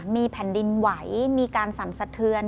มีแผ่นดินไหวมีการสั่นสะเทือน